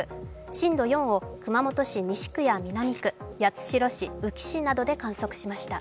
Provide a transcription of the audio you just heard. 震度４を熊本市西区や南区、八代市、宇城市などで観測しました。